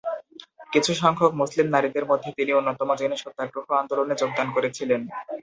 কিছু সংখ্যক মুসলিম নারীদের মধ্যে তিনি অন্যতম যিনি সত্যাগ্রহ আন্দোলনে যোগদান করেছিলেন।